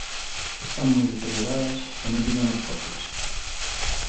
Están moi deterioradas e non tiñamos copias.